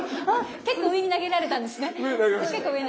結構上に投げられたんですね。